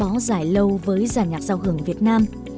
honna tetsuji đã làm việc để giải lâu với giả nhạc giao hưởng việt nam